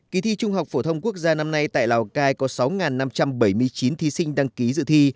kỳ thi trung học phổ thông quốc gia năm nay tại lào cai có sáu năm trăm bảy mươi chín thí sinh đăng ký dự thi